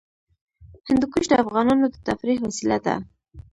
هندوکش د افغانانو د تفریح وسیله ده.